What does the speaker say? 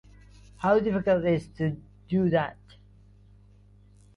How difficult it is to do that?